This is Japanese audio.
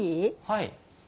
はい。